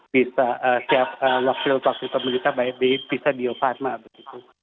bisa siap waktu waktu pemerintah bisa bioparma begitu